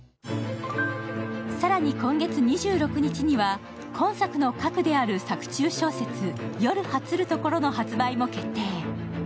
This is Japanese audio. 更に今月２６日には今作の核である作中小説、「夜果つるところ」の発売も決定。